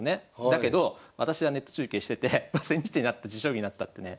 だけど私はネット中継してて千日手になった持将棋になったってね